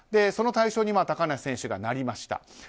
その対象に高梨選手がなりました。